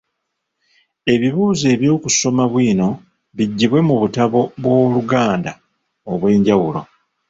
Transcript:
Ebibuuzo eby’okusoma bwino biggyibwe mu butabo bw’Oluganda obw’enjawulo.